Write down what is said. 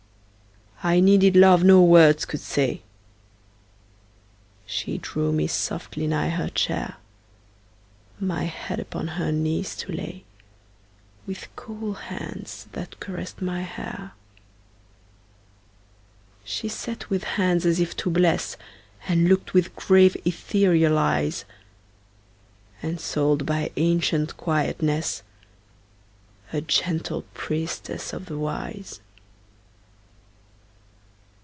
I needed love no words could say; She drew me softly nigh her chair, My head upon her knees to lay, With cool hands that caressed my hair. She sat with hands as if to bless, And looked with grave, ethereal eyes; Ensouled by ancient quietness, A gentle priestess of the Wise.